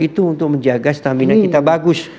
itu untuk menjaga stamina kita bagus